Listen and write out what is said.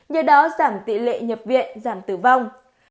nhờ đó giảm tỷ lệ nhập viện giảm tử vong